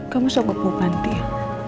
kamu soal gue mau ganti ya